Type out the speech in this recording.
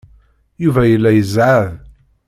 Yuba yella izeɛɛeḍ.